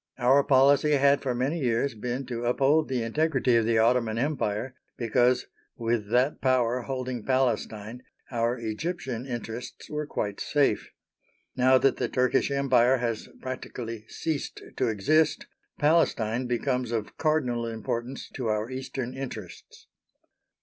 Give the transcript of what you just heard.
Our policy had for many years been to uphold the integrity of the Ottoman Empire because, with that Power holding Palestine, our Egyptian interests were quite safe. Now that the Turkish Empire has practically ceased to exist, Palestine becomes of cardinal importance to our Eastern interests.